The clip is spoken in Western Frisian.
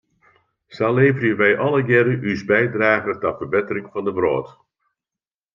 Sa leverje wij allegearre ús bydrage ta ferbettering fan de wrâld.